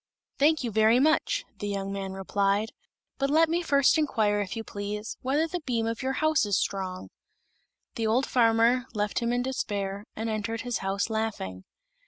"Thank you very much," the young man replied; "but let me first inquire, if you please, whether the beam of your house is strong." The old farmer left him in despair, and entered his house laughing.